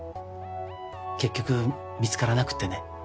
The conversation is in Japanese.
結局見つからなくってね